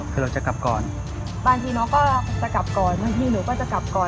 คือเราจะกลับก่อนบางทีน้องก็จะกลับก่อนบางทีหนูก็จะกลับก่อน